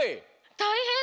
たいへん！